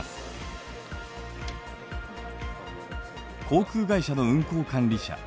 航空会社の運航管理者。